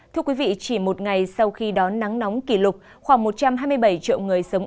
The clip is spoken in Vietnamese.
thưa quý vị chỉ một ngày sau khi đón nắng nóng kỷ lục khoảng một trăm hai mươi bảy triệu người sống